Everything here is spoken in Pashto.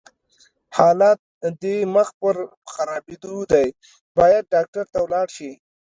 حالت دې مخ پر خرابيدو دی، بايد ډاکټر ته ولاړ شې!